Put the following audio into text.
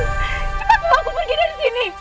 cepat bawa aku pergi dari sini